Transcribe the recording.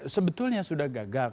sebetulnya sudah gagal